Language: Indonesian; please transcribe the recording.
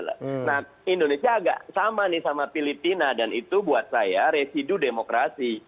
nah indonesia agak sama nih sama filipina dan itu buat saya residu demokrasi